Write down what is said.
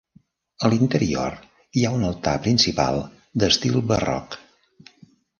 A l'interior hi ha un altar principal d'estil barroc.